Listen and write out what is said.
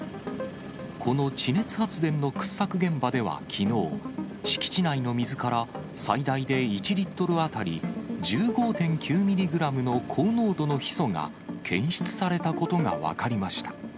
この地熱発電の掘削現場ではきのう、敷地内の水から、最大で１リットル当たり１５．９ミリグラムの高濃度のヒ素が検出されたことが分かりました。